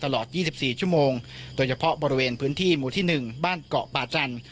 ตลอด๒๔ชั่วโมงโดยเฉพาะบริเวณพื้นที่หมู่ที่๑บ้านเกาะป่าจันทร์